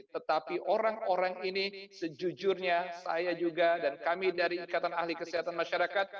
tetapi orang orang ini sejujurnya saya juga dan kami dari ikatan ahli kesehatan masyarakat